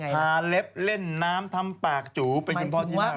ทาเล็บเล่นน้ำทำปากจูเป็นคุณพ่อที่น่ารักที่สุด